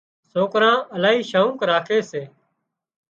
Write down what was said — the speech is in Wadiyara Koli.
سوڪران الاهي شوق راکي سي